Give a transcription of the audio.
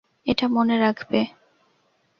এটা মনে রাখবে।